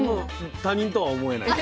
他人とは思えない。